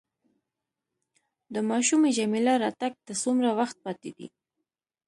د ماشومې جميله راتګ ته څومره وخت پاتې دی؟